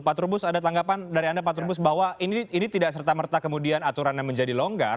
pak trubus ada tanggapan dari anda pak trubus bahwa ini tidak serta merta kemudian aturannya menjadi longgar